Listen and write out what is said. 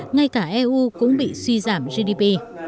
ngay cả eu cũng bị suy giảm gdp